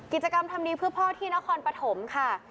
กิจกรรมทำดีเพื่อพ่อที่นครปฐมค่ะ